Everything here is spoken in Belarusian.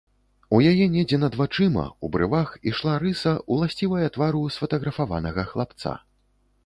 У яе недзе над вачыма, у брывах, ішла рыса, уласцівая твару сфатаграфаванага хлапца.